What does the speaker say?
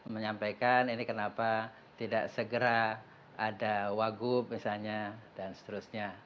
menyampaikan ini kenapa tidak segera ada wagub misalnya dan seterusnya